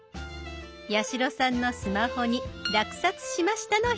八代さんのスマホに「落札しました！」の表示。